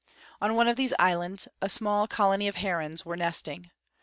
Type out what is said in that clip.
On one of these islands a small colony of herons were nesting.